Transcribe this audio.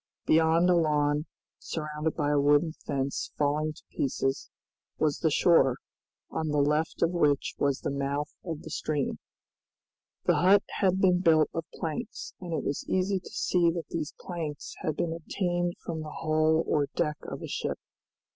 Beyond a lawn, surrounded by a wooden fence falling to pieces, was the shore, on the left of which was the mouth of the stream. The hut had been built of planks, and it was easy to see that these planks had been obtained from the hull or deck of a ship.